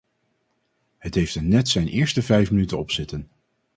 Het heeft er net zijn eerste vijf minuten opzitten.